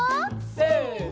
せの。